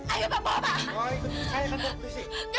ayuh pak bawa pak